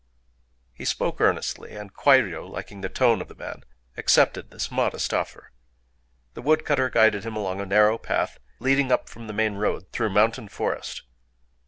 He spoke earnestly; and Kwairyō, liking the kindly tone of the man, accepted this modest offer. The woodcutter guided him along a narrow path, leading up from the main road through mountain forest.